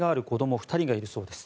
２人がいるそうです。